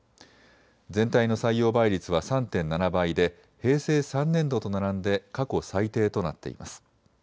全体の採用倍率は３．７倍で平成３年度と並んで過去最低となっています。